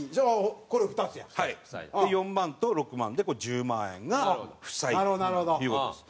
４万と６万で１０万円が負債という事です。